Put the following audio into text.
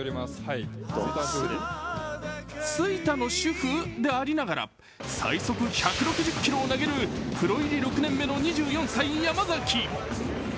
吹田の主婦でありながら最速１６０キロを投げるプロ入り６年目の２４歳、山崎。